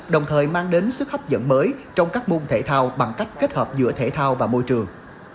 đồng thời mang đến sức hấp dẫn mới trong các môn thể thao bằng cách kết hợp giữa thể thao và môi trường